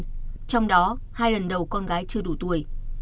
trong đó hai lần đầu con gái chưa đủ tuổi